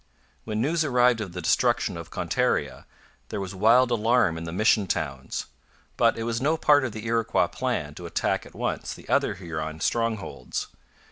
When news arrived of the destruction of Contarea, there was wild alarm in the mission towns. But it was no part of the Iroquois plan to attack at once the other Huron strongholds.